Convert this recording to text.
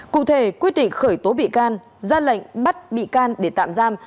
cụ thể quyết định khởi tố bị can ra lệnh bắt bị can để tạm giam